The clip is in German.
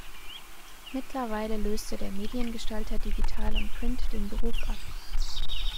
Mittlerweile löste der Mediengestalter Digital und Print den Beruf ab.